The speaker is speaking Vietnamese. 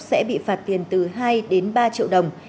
sẽ bị phạt tiền từ hai đến ba triệu đồng